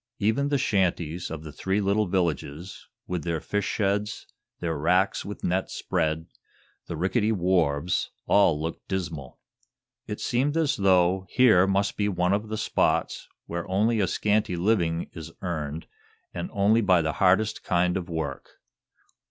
Even the shanties of the three little villages, with their fish sheds, their racks with nets spread, the rickety wharves all looked dismal. It seemed as though here must be one of the spots where only a scanty living is earned and only by the hardest kind of work.